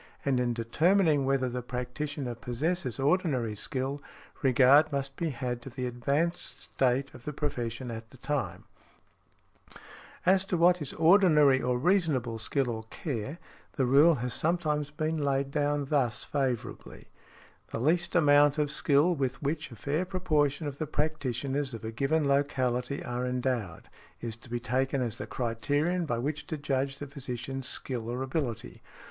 And in determining whether the practitioner possesses ordinary skill, regard must be had to the advanced state of the profession at the time . As to what is ordinary or reasonable skill or care, the rule has sometimes been laid down thus favourably, "The least amount of skill with which a fair proportion of the practitioners of a given locality are endowed, is to be taken as the criterion by which to judge the physician's skill or ability" .